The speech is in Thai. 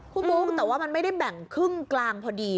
คุณบุ๊คแต่ว่ามันไม่ได้แบ่งครึ่งกลางพอดี